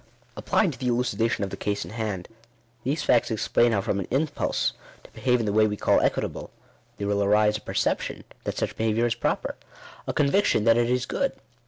Applied to the elucidation of the case in hand, these facts explain how from an impulse to behave in the way we ceil equitable, there will arise a perception that such behaviour is proper — a conviction that it is good.